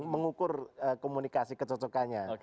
mengukur komunikasi kecocokannya